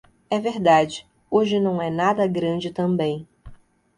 É verdade, hoje não é nada grande também.